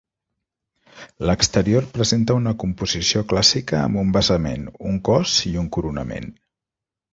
L'exterior presenta una composició clàssica amb un basament, un cos i un coronament.